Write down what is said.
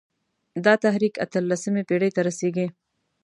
دا تحریک اته لسمې پېړۍ ته رسېږي.